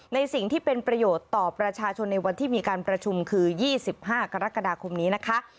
ในสิ่งที่เป็นประโยชน์ต่อประชาชนในวันที่มีการประชุมคือ๒๕กรกฎาคมนี้นะคะ